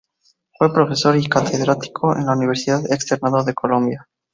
Fue profesor y catedrático en la Universidad Externado de Colombia.